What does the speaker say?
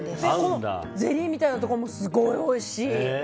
ゼリーみたいなところもすごいおいしい！